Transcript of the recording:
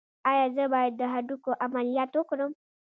ایا زه باید د هډوکو عملیات وکړم؟